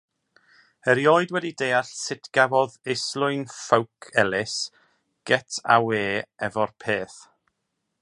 Erioed wedi deall sut gafodd Islwyn Ffowc Elis get-awê efo'r peth.